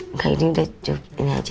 enggak ini udah cukup ini aja